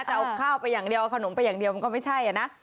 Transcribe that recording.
จะเอาข้าวไปอย่างเดียวเอาขนมไปอย่างเดียวมันก็ไม่ใช่นะ